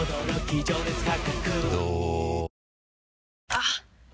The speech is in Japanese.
あっ！